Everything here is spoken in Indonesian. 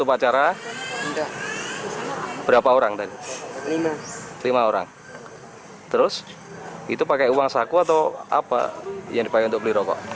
lima orang terus itu pakai uang saku atau apa yang dipakai untuk beli rokok